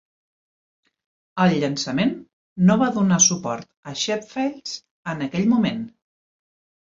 El llançament no va donar suport a Shapefiles en aquell moment.